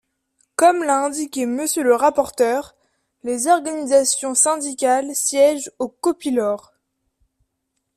Comme l’a indiqué Monsieur le rapporteur, les organisations syndicales siègent au COPILOR.